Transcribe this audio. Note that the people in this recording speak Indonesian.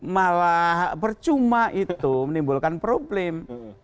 malah percuma itu menimbulkan problem